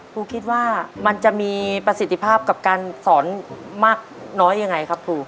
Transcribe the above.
ครูคิดว่ามันจะมีประสิทธิภาพกับการสอนมากน้อยยังไงครับครู